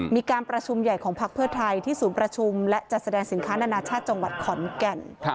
มีการประชุมใหญ่ของพักเพื่อไทยที่ศูนย์ประชุมและจัดแสดงสินค้านานาชาติจังหวัดขอนแก่น